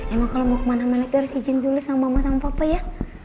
emang kalau mau kemana mana itu harus izin dulu sama mama sama papa ya